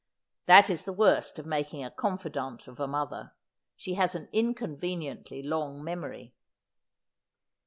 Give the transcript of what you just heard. That is the worst of making a confidante of a mother. She has an inconveniently long memory.